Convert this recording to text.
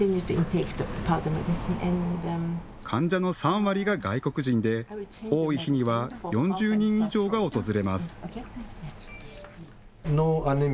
患者の３割が外国人で多い日には４０人以上が訪れます。